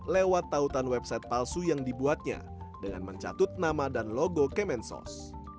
lewat tautan website palsu yang dibuatnya dengan mencatut nama dan logo kemensos